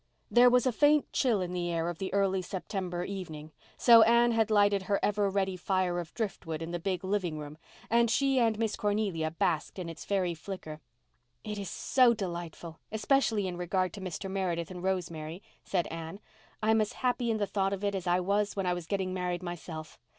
There was a faint chill in the air of the early September evening, so Anne had lighted her ever ready fire of driftwood in the big living room, and she and Miss Cornelia basked in its fairy flicker. "It is so delightful—especially in regard to Mr. Meredith and Rosemary," said Anne. "I'm as happy in the thought of it, as I was when I was getting married myself.